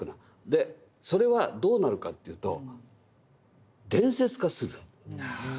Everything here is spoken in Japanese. でそれはどうなるかというと伝説化する。